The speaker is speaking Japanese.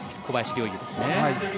小林陵侑ですね。